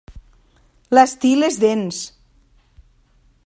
L'estil és dens.